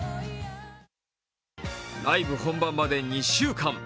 ライブ本番まで２週間。